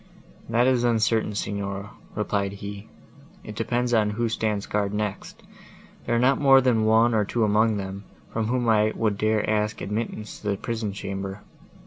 "That is uncertain, Signora," replied he. "It depends upon who stands guard next: there are not more than one or two among them, from whom I would dare to ask admittance to the prison chamber."